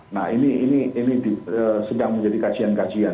nah ini sedang menjadi kajian kajian